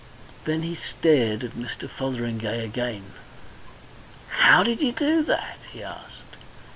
Then he stared at Mr. Fotheringay again. "How did you do that?" he asked.